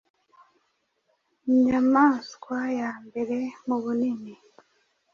Inyamaswa ya mbere mu bunini